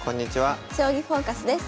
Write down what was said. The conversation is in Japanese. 「将棋フォーカス」です。